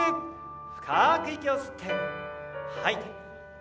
深く息を吸って吐いて。